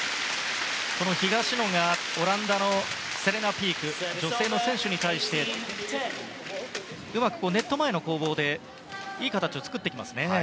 東野がオランダのセレナ・ピーク女性の選手に対してうまくネット前の攻防でいい形を作ってきますね。